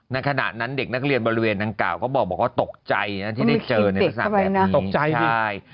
ในขณะนั้นเด็กนักเรียนบริเวณนางกล่าวก็บอกว่าตกใจที่ได้เจอในทักษะแบบนี้